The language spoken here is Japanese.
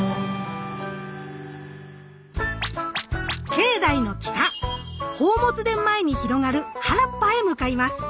境内の北宝物殿前に広がる原っぱへ向かいます。